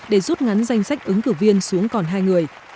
để rút ngắn danh sách ứng cử viên xuống còn hai người